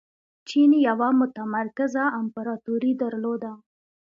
چین یوه متمرکزه امپراتوري درلوده.